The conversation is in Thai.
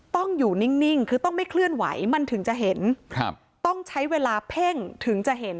ต้องอยู่นิ่งคือต้องไม่เคลื่อนไหวมันถึงจะเห็นครับต้องใช้เวลาเพ่งถึงจะเห็น